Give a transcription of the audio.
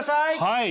はい。